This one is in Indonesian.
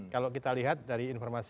kalau kita lihat dari informasi